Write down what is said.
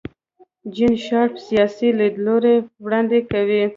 جین شارپ سیاسي لیدلوری وړاندې کوي.